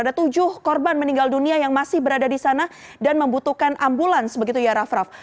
ada tujuh korban meninggal dunia yang masih berada di sana dan membutuhkan ambulans begitu ya raff raff